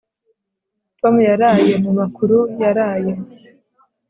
Tom yaraye mumakuru yaraye